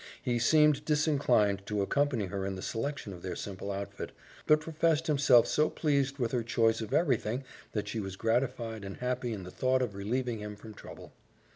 He seemed disinclined to accompany her in the selection of their simple outfit, but professed himself so pleased with her choice of everything that she was gratified and happy in the thought of relieving him from trouble.